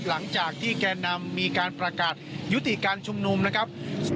หลังจากที่แก่นำมีการประกาศยุติการชุมนุมนะครับ